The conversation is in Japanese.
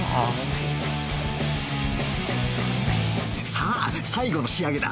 さあ最後の仕上げだ